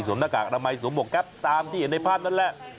สวมนาคากะตะไมโสโหมกกั๊บตามที่เห็นในพราณนั้นแหละ